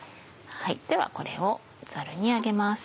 ではこれをザルに上げます。